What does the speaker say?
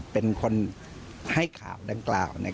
เป็นคนให้ข่าวดังกล่าว